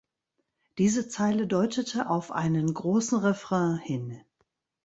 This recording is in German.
Diese Zeile deutete auf einen großen Refrain hin.